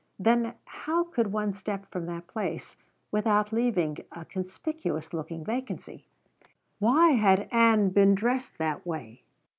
Then how could one step from that place without leaving a conspicuous looking vacancy? Why had Ann been dressed that way?